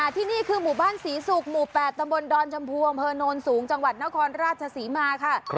ที่นี่คือหมู่บ้านศรีศุกร์หมู่๘ตำบลดอนชมพูอำเภอโนนสูงจังหวัดนครราชศรีมาค่ะ